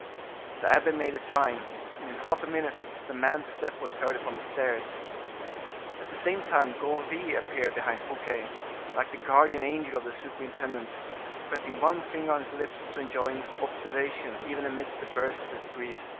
The abbe made a sign, and in half a minute the man's step was heard upon the stairs. At the same time Gourville appeared behind Fouquet, like the guardian angel of the superintendent, pressing one finger on his lips to enjoin observation even amidst the bursts of his grief.